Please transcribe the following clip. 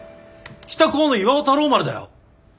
北高の巌太郎丸だよ。